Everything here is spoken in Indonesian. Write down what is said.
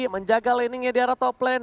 menjaga laning nya di area top lane